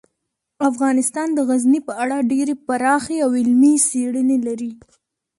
افغانستان د غزني په اړه ډیرې پراخې او علمي څېړنې لري.